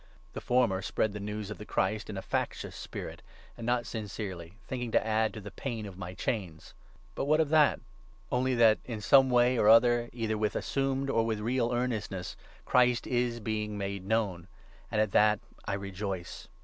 The former spread the 17 news of the Christ in a factious spirit, and not sincerely, think ing to add to the pain of my chains. But what of that ? Only 18 that in some way or other, either with assumed or with real earnestness, Christ is being made known ; and at that I rejoice.